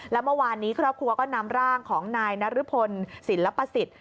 แล้วเมื่อวานนี้ครอบครัวก็นำร่างของนายนรพลศิลปสิทธิ์